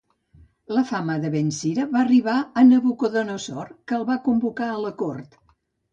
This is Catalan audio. La fama de Ben Sira va arribar a Nabucodonosor, que el va convocar a la cort.